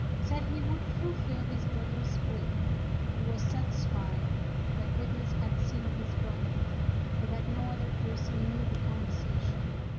Said he would fulfil his brother's will. He was satisfied that witness had seen his brother, for that no other person knew the conversation.